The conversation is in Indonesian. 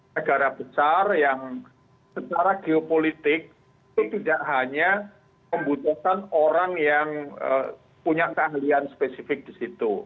negara besar yang secara geopolitik itu tidak hanya membutuhkan orang yang punya keahlian spesifik di situ